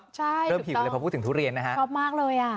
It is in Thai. ใช่เริ่มหิวเลยพอพูดถึงทุเรียนนะฮะชอบมากเลยอ่ะ